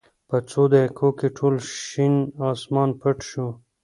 په څو دقېقو کې ټول شین اسمان پټ شو.